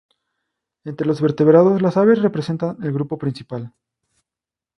Entre los vertebrados, las aves representan el grupo principal.